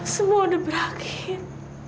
semua sudah berakhir